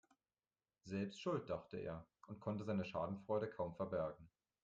Selbst schuld, dachte er und konnte seine Schadenfreude kaum verbergen.